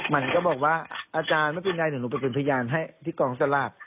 มันก็บอกว่าอาจารย์ไม่เป็นไรเดี๋ยวหนูไปเป็นพยานให้ที่กองสลาก